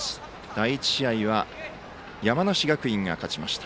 第１試合は山梨学院が勝ちました。